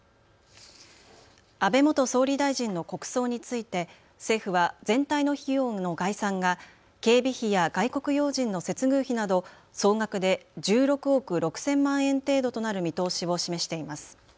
安倍元総理大臣の国葬について政府は全体の費用の概算が警備費や外国要人の接遇費など総額で１６億６０００万円程度となる見通しを示しています。